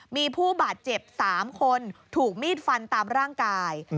มีผู้บาดเจ็บ๓คนถูกมีดฟันตามร่างกาย